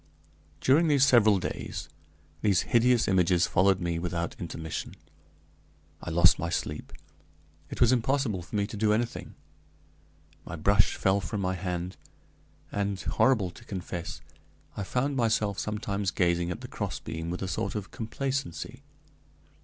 During several days these hideous images followed me without intermission. I lost my sleep; it was impossible for me to do anything; my brush fell from my hand; and, horrible to confess, I found myself sometimes gazing at the crossbeam with a sort of complacency.